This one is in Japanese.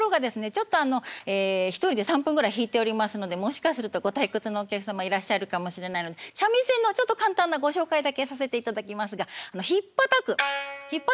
ちょっとあのええ１人で３分ぐらい弾いておりますのでもしかするとご退屈のお客様いらっしゃるかもしれないので三味線のちょっと簡単なご紹介だけさせていただきますが「ひっぱたく」ひっぱたくという奏法。